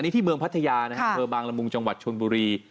ที่เมืองพัทยาเผอร์บางระมุงจังหวัดชวนบุรี